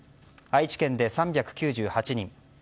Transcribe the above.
愛知県で３９８人